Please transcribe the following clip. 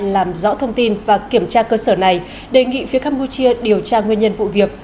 làm rõ thông tin và kiểm tra cơ sở này đề nghị phía campuchia điều tra nguyên nhân vụ việc